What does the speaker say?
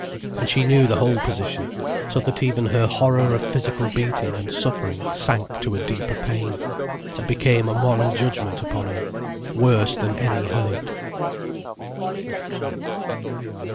And she knew the whole position, so that even her horror of physical beating and suffering sank to a deeper pain, and became a moral judgment upon her, worse than any hurt.